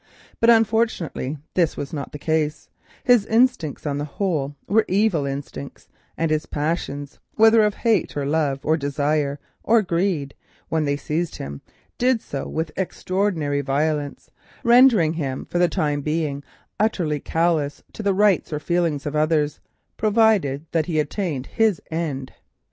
But unfortunately this was not the case; his instincts on the whole were evil instincts, and his passions—whether of hate, or love, or greed, when they seized him did so with extraordinary violence, rendering him for the time being utterly callous to the rights or feelings of others, provided that he attained his end.